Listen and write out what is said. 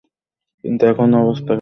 কিন্তু এখন অবস্থা দেখো!